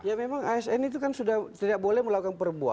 ya memang asn itu kan sudah tidak boleh melakukan perbuatan